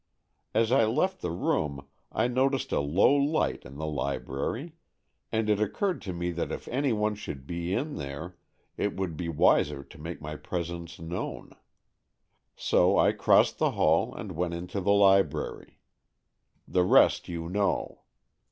As I left the room I noticed a low light in the library, and it occurred to me that if any one should be in there it would be wiser to make my presence known. So I crossed the hall and went into the library. The rest you know.